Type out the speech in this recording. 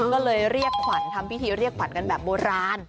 ก็เลยเรียกขวัญทำพิธีเรียกขวัญกันแบบโบราณ